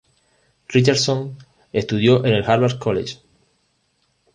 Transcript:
Richardson estudió en el Harvard College.